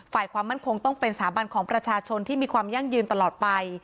ความมั่นคงต้องเป็นสถาบันของประชาชนที่มีความยั่งยืนตลอดไป